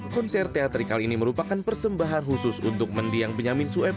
konser teatrikal ini merupakan persembahan khusus untuk mendiang benyamin sueb